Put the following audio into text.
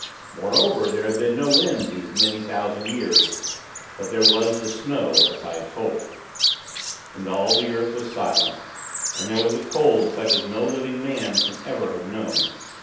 Moreover, there had been no wind these many thousand years. But there was the snow, as I have told. And all the earth was silent. And there was a cold, such as no living man can ever have known.